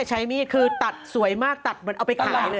ใช้มีดคือตัดสวยมากเอาไปขายเลย